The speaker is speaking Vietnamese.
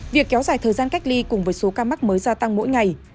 việc kéo dài thời gian cách ly cùng với số ca mắc mới gia tăng mỗi ngày